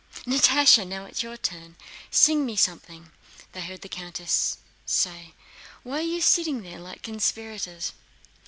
"Natásha! Now it's your turn. Sing me something," they heard the countess say. "Why are you sitting there like conspirators?"